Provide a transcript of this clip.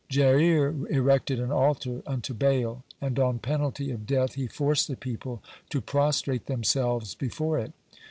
Jair erected an altar unto Baal, and on penalty of death he forced the people to prostrate themselves before it.